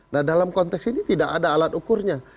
nah dalam konteks ini tidak ada alat ukurnya